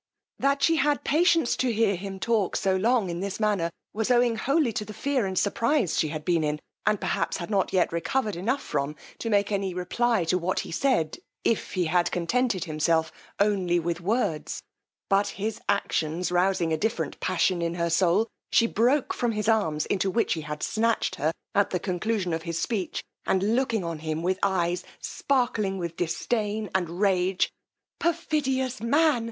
That she had patience to hear him talk so long in this manner, was wholly owing to the fear and surprize she had been in, and perhaps had not yet recovered enough from, to make any reply to what he said, if he had contented himself only with words; but his actions rouzing a different passion in her soul, she broke from his arms, into which, he had snatched her at the conclusion of his speech, and looking on him with eyes sparkling with disdain and rage, perfidious man!